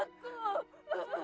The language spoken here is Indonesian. ampuni dosa anakku